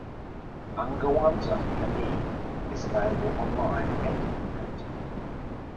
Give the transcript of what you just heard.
"Angewandte Chemie" is available online and in print.